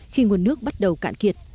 khi nguồn nước bắt đầu cạn kiệt